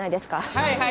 はいはい。